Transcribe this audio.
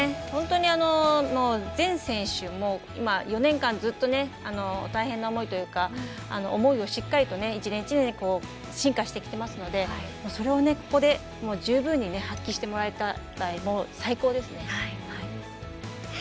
本当に全選手４年間ずっとね大変な思いというか思いをしっかりと一年一年進化してきてますのでそれをここで十分に発揮してもらえたら最高ですね。